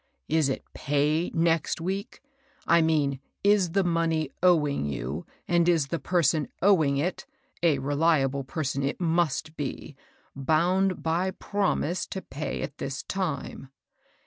Is it pay next week ? I mean is the money owing you ; and is the person owing it — a reliable person, it must be — bound by promise to pay at this time